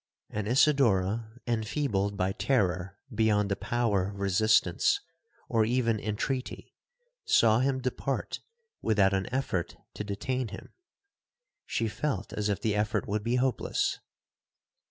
And Isidora, enfeebled by terror beyond the power of resistance, or even intreaty, saw him depart without an effort to detain him. She felt as if the effort would be hopeless.